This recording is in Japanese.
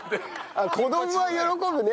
子供は喜ぶね。